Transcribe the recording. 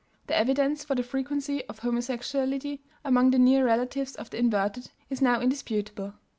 The evidence for the frequency of homosexuality among the near relatives of the inverted is now indisputable.